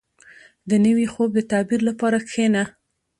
• د نوي خوب د تعبیر لپاره کښېنه.